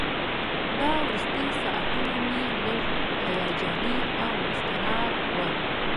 دا وروستي ساعتونه مې لږ هیجاني او مضطرب وو.